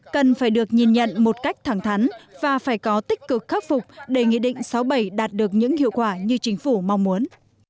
cần phải được nhìn nhận một cách thẳng thắn và phải có tích cực khắc phục để nghị định sáu bảy đạt được những hiệu quả như chính phủ mong muốn